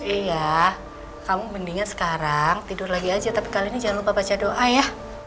iya kamu mendingan sekarang tidur lagi aja tapi kali ini jangan lupa baca doa ya